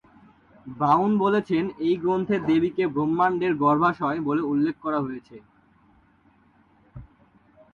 Brown বলেছেন, এই গ্রন্থে দেবীকে ‘ব্রহ্মাণ্ডের গর্ভাশয়’ বলে উল্লেখ করা হয়েছে।